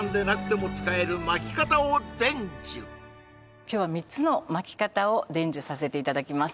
そこで今日は３つの巻き方を伝授させていただきます